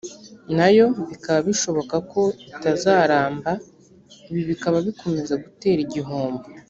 nayo bikaba bishoboka ko itazaramba ibi bikaba bikomeza gutera igihombo